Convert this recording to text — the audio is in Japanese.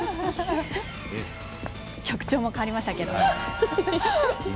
曲調も変わりましたね。